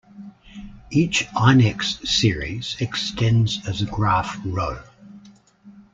Each inex series extends as a graph row.